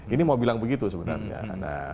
ini mau bilang begitu sebenarnya